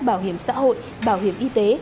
bảo hiểm xã hội bảo hiểm y tế